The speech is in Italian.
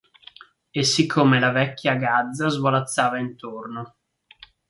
E siccome la vecchia gazza svolazzava intorno.